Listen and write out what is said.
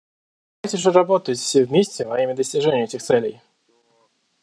Давайте же работать все вместе во имя достижения этих целей!